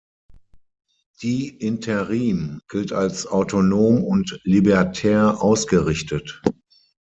Die Interim gilt als autonom und libertär ausgerichtet.